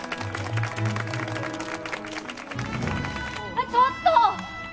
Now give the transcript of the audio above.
あっちょっと！